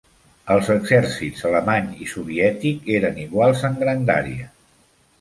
Els exèrcits alemany i soviètic eren iguals en grandària.